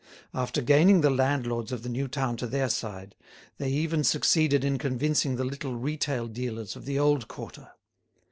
After gaining the landlords of the new town to their side, they even succeeded in convincing the little retail dealers of the old quarter.